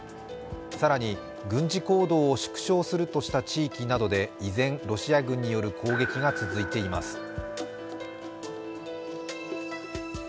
更に、軍事行動を縮小するとした地域などで依然、ロシア軍による攻撃が続いています。